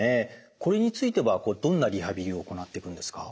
これについてはどんなリハビリを行ってくんですか？